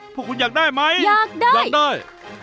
พวกคุณอยากได้ไหมอยากได้อยากได้